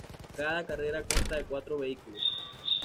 Cada carrera consta de cuatro vehículos.